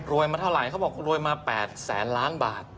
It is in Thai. มาเท่าไหร่เขาบอกรวยมา๘แสนล้านบาท